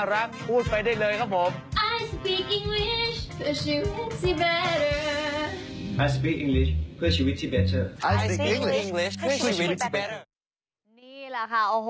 พูดไปได้เลยครับผม